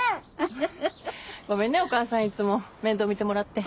ごめんねお母さんいつも面倒見てもらって。